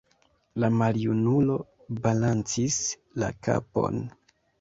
La maljunulo balancis la kapon.